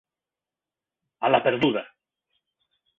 A la perduda.